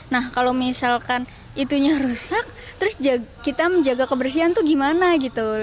nah kalau misalkan itunya rusak terus kita menjaga kebersihan tuh gimana gitu